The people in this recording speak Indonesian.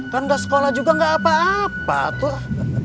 kan udah sekolah juga nggak apa apa tuh